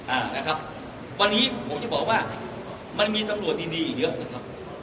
อ่านะครับวันนี้ผมจะบอกว่ามันมีตำรวจดีดีอีกเยอะนะครับ